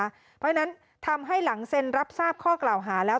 เพราะฉะนั้นทำให้หลังเซ็นรับทราบข้อกล่าวหาแล้ว